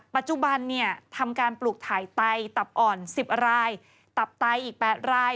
ปัจจุบันทำการปลูกถ่ายไตตับอ่อน๑๐รายตับไตอีก๘ราย